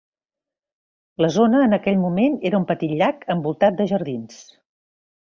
La zona en aquell moment era un petit llac envoltat de jardins.